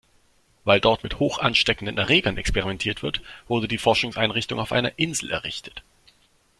Weil dort mit hochansteckenden Erregern experimentiert wird, wurde die Forschungseinrichtung auf einer Insel errichtet.